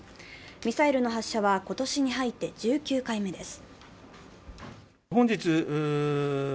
ミサイルの発射は今年に入って１９回目です。